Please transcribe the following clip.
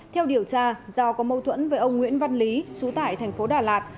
theo điều tra do có mâu thuẫn với ông nguyễn văn lý chú tải thành phố đà lạt